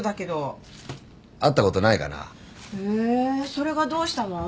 それがどうしたの？